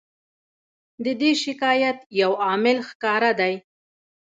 د دې شکایت یو عامل ښکاره دی.